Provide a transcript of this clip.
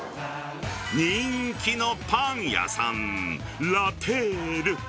人気のパン屋さん、ラ・テール。